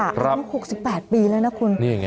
อันนั้น๖๘ปีแล้วนะคุณ